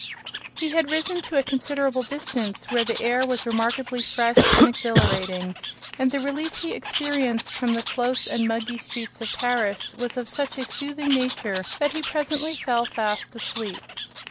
He had risen to a considerable distance, where the air was remarkably fresh and exhilarating, and the relief he experienced from the close and muggy streets of Paris was of such a soothing nature that he presently fell fast asleep.